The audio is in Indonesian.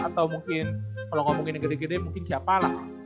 atau mungkin kalau ngomongin yang gede gede mungkin siapalah